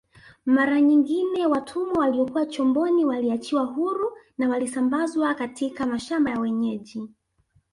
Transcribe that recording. Mara nyingine watumwa waliokuwa chomboni waliachiwa huru na walisambazwa katika mashamba ya wenyeji